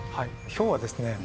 ひょうはですね